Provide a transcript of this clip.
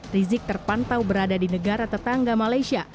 rizik terpantau berada di negara tetangga malaysia